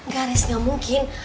gak nis gak mungkin